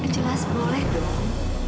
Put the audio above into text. jelas boleh dong